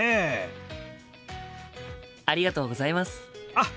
あっ！